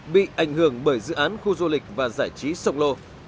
bị ảnh hưởng bởi dự án khu du lịch và giải trí sông lô